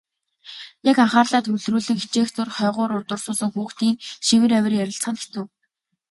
Яг анхаарлаа төвлөрүүлэн хичээх зуур хойгуур урдуур суусан хүүхдийн шивэр авир ярилцах нь хэцүү.